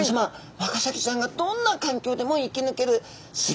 ワカサギちゃんがどんな環境でも生きぬけるす